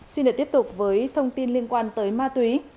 xin được tiếp tục với thông tin liên quan tới ma túy